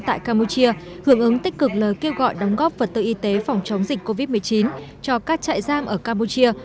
tại campuchia hưởng ứng tích cực lời kêu gọi đóng góp vật tư y tế phòng chống dịch covid một mươi chín cho các trại giam ở campuchia